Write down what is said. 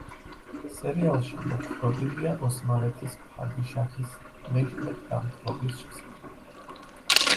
სერიალში მოთხრობილია ოსმალეთის ფადიშაჰის, მეჰმედ დამპყრობლის შესახებ.